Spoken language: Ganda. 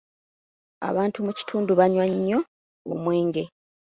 Abantu mu kitundu banywa nnyo omwenge.